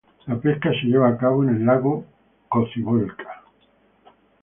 La pesca se lleva a cabo en el Lago Cocibolca.